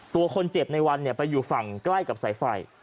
ตัวคนเจ็บในวันไปอยู่ฝั่งใกล้กับสายไฟ